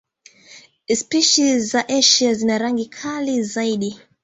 Spishi za Asia zina rangi kali zaidi.